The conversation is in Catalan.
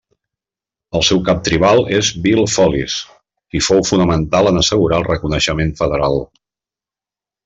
El seu cap tribal és Bill Follis, qui fou fonamental en assegurar el reconeixement federal.